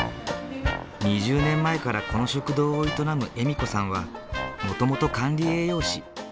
２０年前からこの食堂を営む笑子さんはもともと管理栄養士。